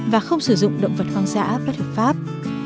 và không sử dụng động vật hoang dã bất hợp pháp